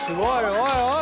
おいおい！